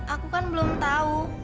aku kan belum tahu